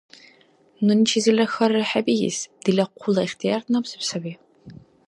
Нуни чизилра хьарра хӀебиис! Дила хъула ихтияр набзиб саби!